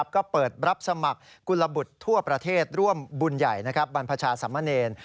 ก็เปิดรับสมัครกุลบุตรทั่วประเทศร่วมบุญใหญ่บรรพชาสมเนร